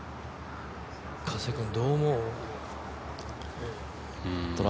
加瀬君どう思う？